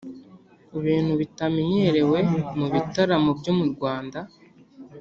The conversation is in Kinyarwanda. ibintu bitamenyerewe mu bitaramo byo mu Rwanda